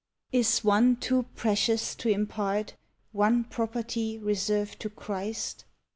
Is one too precious to impart, One property reserved to Christ?